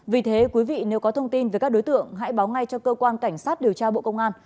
vì thế quý vị nếu có thông tin về các đối tượng hãy báo ngay cho cơ quan cảnh sát điều tra bộ công an